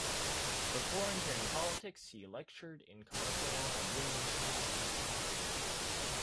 Before entering politics, he lectured in commercial law at University of Auckland.